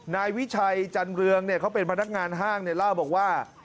นายวิชัยจันเรืองเขาเป็นพนักงานห้างเนี่ยเล่าบอกว่า